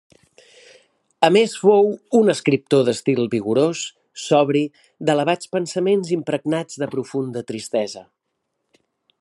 A més, fou, un escriptor d'estil vigorós, sobri, d'elevats pensaments impregnats de profunda tristesa.